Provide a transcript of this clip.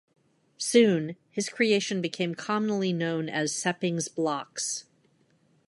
Soon, his creation became commonly known as Seppings Blocks.